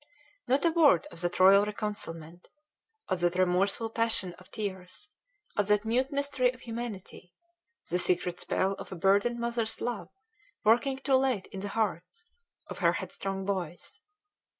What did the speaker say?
Not a word of that royal reconcilement, of that remorseful passion of tears, of that mute mystery of humanity, the secret spell of a burdened mother's love working too late in the hearts, of her headstrong boys!